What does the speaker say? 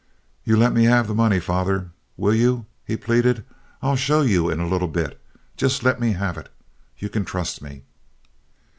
"You let me have the money, father, will you?" he pleaded. "I'll show you in a little bit. Just let me have it. You can trust me."